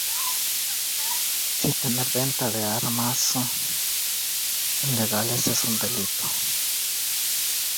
Además, puede ser un delito tener o vender contrabando de armas o drogas ilegales.